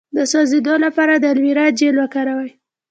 د سوځیدو لپاره د الوویرا جیل وکاروئ